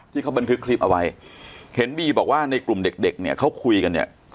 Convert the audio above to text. ที่เขาบันทึกคลิปเอาไว้เห็นบีบอกว่าในกลุ่มเด็กเนี่ยเขาคุยกันเนี่ย